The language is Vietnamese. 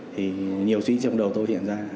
thì nhiều suy nghĩ trong đầu tôi hiện ra